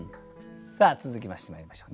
さあ続きましてまいりましょう。